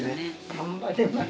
頑張ります。